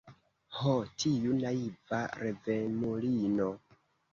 Ho, tiu naiva revemulino!